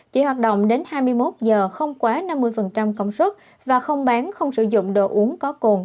chỉ hoạt động đến hai mươi một giờ không quá năm mươi công suất và không bán không sử dụng đồ uống có cồn